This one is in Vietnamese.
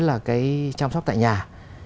là cái chăm sóc tại nhà